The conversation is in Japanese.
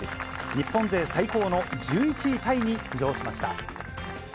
日本勢最高の１１位タイに浮上しました。